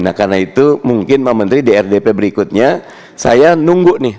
nah karena itu mungkin pak menteri di rdp berikutnya saya nunggu nih